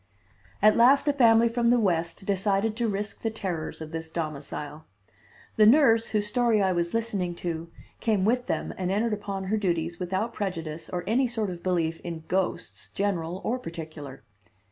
At last a family from the West decided to risk the terrors of this domicile. The nurse, whose story I was listening to, came with them and entered upon her duties without prejudice or any sort of belief in ghosts, general or particular.